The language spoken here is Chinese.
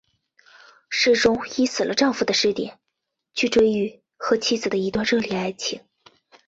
诗中以死了的丈夫的视点去追忆和妻子的一段热烈的爱情。